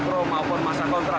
pro maupun masa kontra